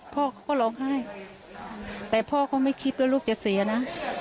พ่อเขาก็ร้องไห้แต่พ่อเขาไม่คิดว่าลูกจะเสียนะ